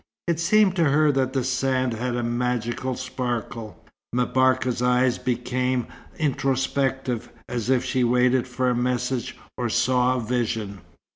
It seemed to her that the sand had a magical sparkle. M'Barka's eyes became introspective, as if she waited for a message, or saw a vision.